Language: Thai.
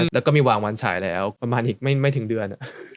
แล้วก็มีวางวันฉายแล้วประมาณอีกไม่ถึงเดือน